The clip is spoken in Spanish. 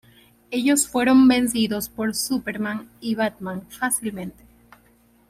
Ellos fueron vencidos por Superman y Batman fácilmente.